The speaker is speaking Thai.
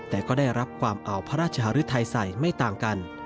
แต่ก็ได้รับความอ่าวพระราชหริทย์ท้ายใสไม่ต่างกัน